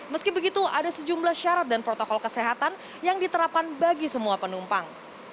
meski begitu ada sejumlah syarat dan protokol kesehatan yang diterapkan bagi semua penumpang